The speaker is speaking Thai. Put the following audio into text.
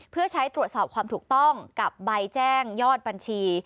เพื่อใช้ตรวจสอบความถูกต้องกับใบแจ้งยอดบัญชี